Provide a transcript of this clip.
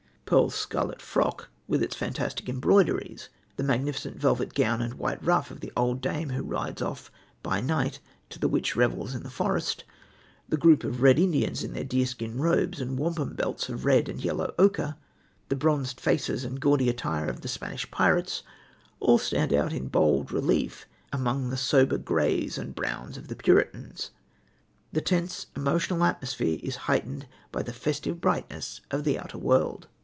Pearl's scarlet frock with its fantastic embroideries, the magnificent velvet gown and white ruff of the old dame who rides off by night to the witch revels in the forest, the group of Red Indians in their deer skin robes and wampum belts of red and yellow ochre, the bronzed faces and gaudy attire of the Spanish pirates, all stand out in bold relief among the sober greys and browns of the Puritans. The tense, emotional atmosphere is heightened by the festive brightness of the outer world.